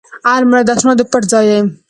الماري د اسنادو پټ ځای دی